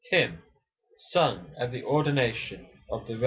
HYMN, SUNG AT THE ORDINATION OF THE REV.